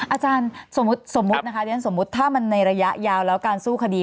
อาจารย์สมมุตินะคะเรียนสมมุติถ้ามันในระยะยาวแล้วการสู้คดี